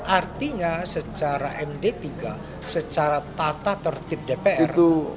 artinya secara md tiga secara tata tertib dpr